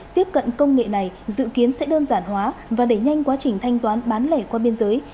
tiếp cận công nghệ này dự kiến sẽ đơn giản hóa và đẩy nhanh quá trình thanh toán bán lẻ qua biên giới